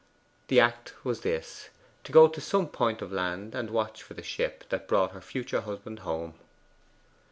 The act was this to go to some point of land and watch for the ship that brought her future husband home.